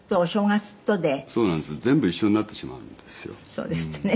「そうですってね。